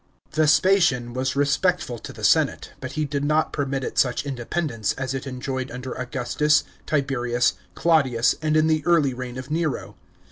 § 4. Vespasian was respectful to the senate, but he did not permit it such independence as it en joyed under Augustus, Tiberius, Claudius, and in the early reign of Nero.